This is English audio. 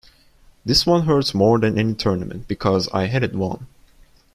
This one hurts more than any tournament because I had it won.